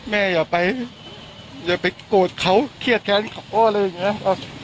อย่าไปอย่าไปโกรธเขาเครียดแค้นเขาอะไรอย่างนี้